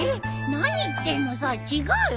何言ってんのさ違うよ！